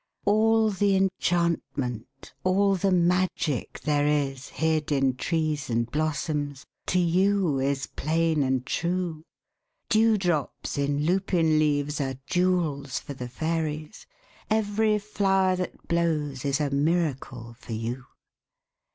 All the enchantment, all the magic there is Hid in trees and blossoms, to you is plain and true. Dewdrops in lupin leaves are jewels for the fairies; Every flower that blows is a miracle for you.